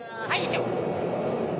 はい！